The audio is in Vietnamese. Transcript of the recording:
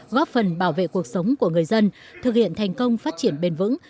góp phần bảo vệ cuộc sống của người dân thực hiện thành công phát triển bền vững